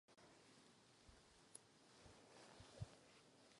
Pouze doprava šetrná k životnímu prostředí je příliš drahá.